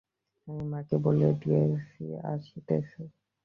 আমি মাকে বলিয়া দিয়া আসিতেছি।